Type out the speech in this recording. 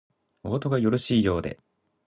おあとがよろしいようで